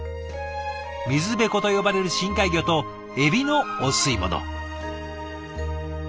ミズベコと呼ばれる深海魚とエビのお吸い物。